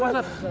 ya pak ustadz